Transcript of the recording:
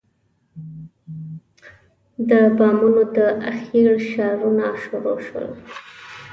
د بامونو د اخېړ اشارونه شروع شول.